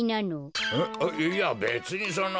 えいやべつにその。